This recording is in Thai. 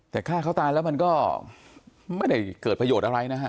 แต่ฆ่าเขาตายแล้วมันก็ไม่ได้เกิดประโยชน์อะไรนะฮะ